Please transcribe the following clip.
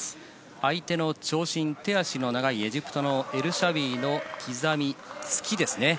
相手の長身、手足の長いエジプトのエルシャウィの刻み、突きですね。